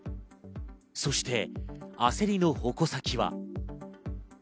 そして、焦りの矛先は。